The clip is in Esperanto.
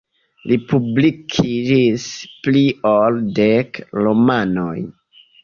Li publikigis pli ol dek romanojn.